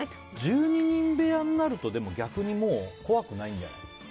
１２人部屋になると逆に怖くないんじゃない？